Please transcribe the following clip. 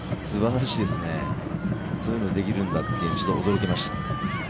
すばらしいですね、そういうのができるんだと、ちょっと驚きました。